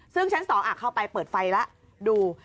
ซึ่งชั้น๒เข้าไปเปิดไฟแล้วดู